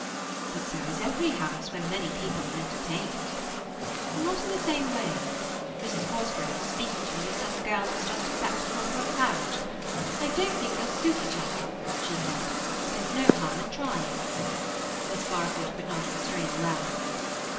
"But so is every house where many people are entertained." "Not in the same way. Mrs. Cosgrove was speaking to me of some girl who has just accepted an offer of marriage. "I don't think they'll suit each other," she said, "but there's no harm in trying."" Miss Barfoot could not restrain a laugh.